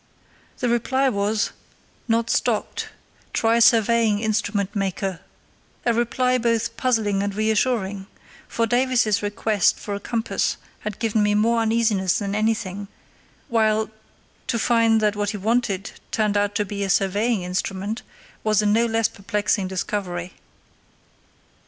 The reply was, "Not stocked; try surveying instrument maker"—a reply both puzzling and reassuring, for Davies's request for a compass had given me more uneasiness than anything, while, to find that what he wanted turned out to be a surveying instrument, was a no less perplexing discovery.